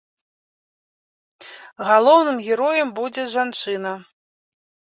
Галоўным героем будзе жанчына.